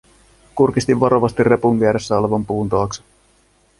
Kurkistin varovasti repun vieressä olevan puun taakse.